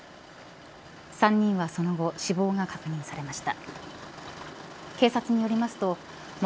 ３人はその後死亡が確認されました。